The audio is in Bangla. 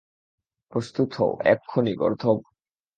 প্রস্তুত হও এক্ষুণি, গর্দভ!